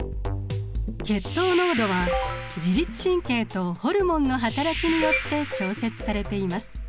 血糖濃度は自律神経とホルモンの働きによって調節されています。